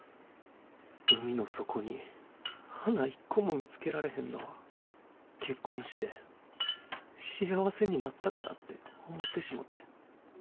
海の底に花一個も見つけられへんのは結婚して幸せになったからって思ってしもて。